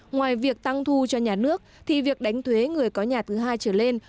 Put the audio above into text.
ngoài việc tăng thu cho nhà nước thì việc đánh thuế người có nhà thứ hai trở lên